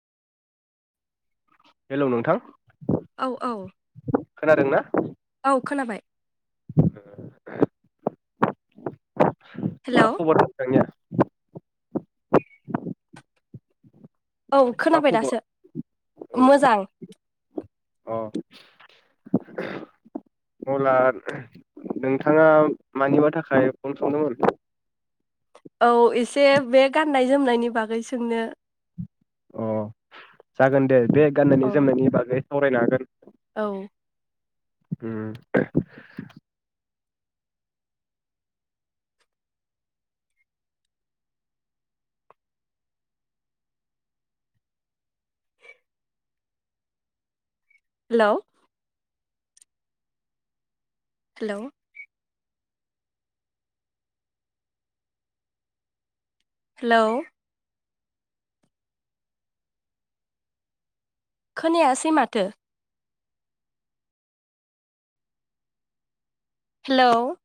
Hello नोंथां औ औ खोनादों ना? औ खोनाबाय। [unintelligible] मा हेलौ खबर नोंथांनिया? औ मा खोनाबाय दासो। खबर औ मोजां। अ अब्ला नोंथाङा मानिबा थाखाय फन खालामदों? औ एसे बे गाननाय जोमनायनि बागै सोंनो। अ जागोन दे। बे औ गाननायनि जोमनायनि बागै सावरायनो हागोन। औ उम हेलौ हेलौ हेलौ खोनायासै माथो। हेलौ